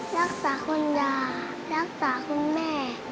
รักษาคุณยารักษาคุณแม่